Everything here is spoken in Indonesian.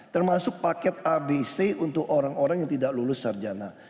termasuk paket abc untuk orang orang yang tidak lulus sarjana